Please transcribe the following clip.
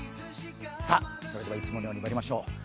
さあ、それではいつものようにまいりましょう。